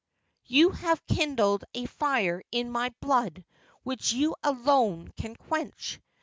You have kindled a fire in my blood which you alone can quench.